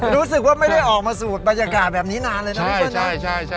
รู้สึกว่าไม่ได้ออกมาสูดบรรยากาศแบบนี้นานเลยนะพี่เปิ้ลนะ